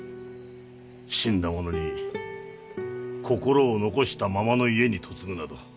死んだ者に心を残したままの家に嫁ぐなど。